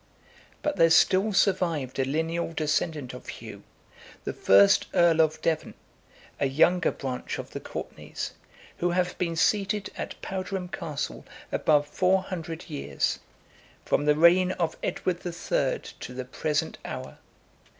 But there still survived a lineal descendant of Hugh, the first earl of Devon, a younger branch of the Courtenays, who have been seated at Powderham Castle above four hundred years, from the reign of Edward the Third to the present hour.